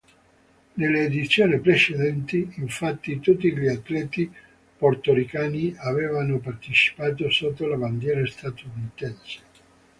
Nelle edizione precedenti, infatti, tutti gli atleti portoricani avevano partecipato sotto la bandiera statunitense.